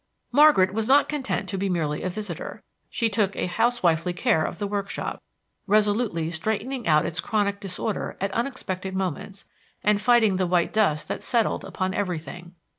Margaret was not content to be merely a visitor; she took a housewifely care of the workshop, resolutely straightening out its chronic disorder at unexpected moments, and fighting the white dust that settled upon everything.